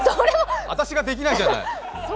私ができないじゃない！